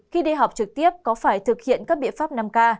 khi đi học trực tiếp có phải thực hiện các biện pháp năm k